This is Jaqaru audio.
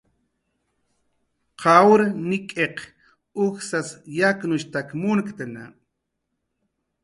Qawr nik'iq ujsas yaknushtak munktna